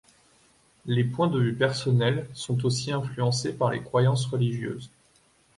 Les points de vue personnels sont aussi influencés par les croyances religieuses.